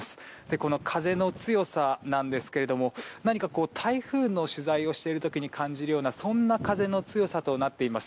この風の強さなんですが台風の取材をしている時に感じるような風の強さとなっています。